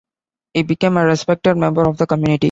He became a respected member of the community.